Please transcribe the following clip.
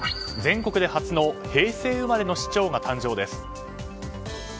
全国で初の平成生まれの市長が誕生です。